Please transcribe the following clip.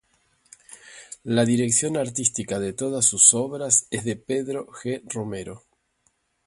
La dirección artística de todas sus obras es de Pedro G. Romero.